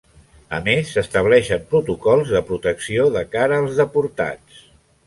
A més s'estableixen protocols de protecció de cara als deportats.